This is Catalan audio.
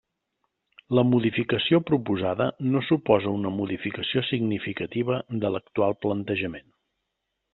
La modificació proposada no suposa una modificació significativa de l'actual planejament.